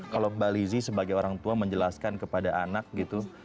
kalau mbak lizzie sebagai orang tua menjelaskan kepada anak gitu